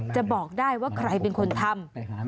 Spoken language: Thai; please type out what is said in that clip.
จะบอกได้ว่าใครเป็นคนทำ